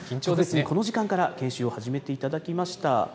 この時間から研修を始めていただきました。